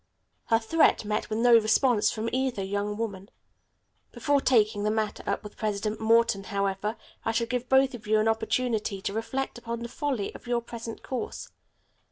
Her threat met with no response from either young woman. "Before taking the matter up with President Morton, however, I shall give both of you an opportunity to reflect upon the folly of your present course.